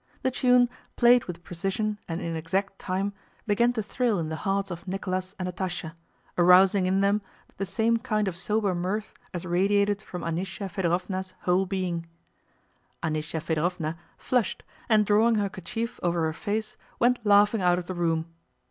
The tune, played with precision and in exact time, began to thrill in the hearts of Nicholas and Natásha, arousing in them the same kind of sober mirth as radiated from Anísya Fëdorovna's whole being. Anísya Fëdorovna flushed, and drawing her kerchief over her face went laughing out of the room.